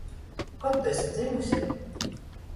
Kod tu esi dzymuse?